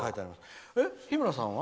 日村さんは？